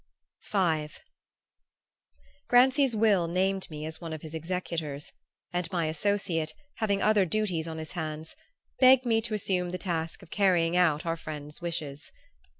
V Grancy's will named me as one of his executors; and my associate, having other duties on his hands, begged me to assume the task of carrying out our friend's wishes.